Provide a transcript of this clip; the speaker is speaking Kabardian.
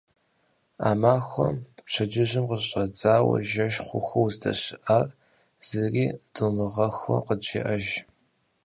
А махуэм пщэдджыжьым къыщыщӏэдзауэ жэщ хъуху уздэщыӏахэр, зыри думыгъэхуу, къыджеӏэж.